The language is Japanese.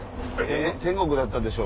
天国だったでしょ？